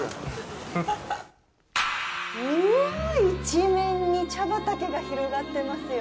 うわぁ、一面に茶畑が広がってますよ！